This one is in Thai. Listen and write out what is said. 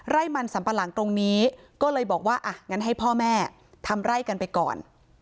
ไร่มันสัมปะหลังตรงนี้ก็เลยบอกว่าอ่ะงั้นให้พ่อแม่ทำไร่กันไปก่อน